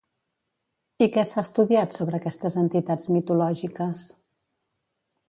I què s'ha estudiat sobre aquestes entitats mitològiques?